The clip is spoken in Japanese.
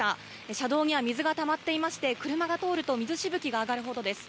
車道には水がたまっていまして車が通ると水しぶきが上がるほどです。